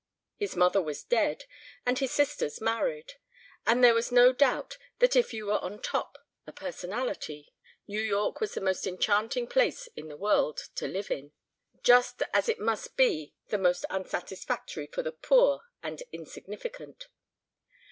His mother was dead and his sisters married. And there was no doubt that if you were on top, a personality, New York was the most enchanting place in the world to live in, just as it must be the most unsatisfactory for the poor and insignificant.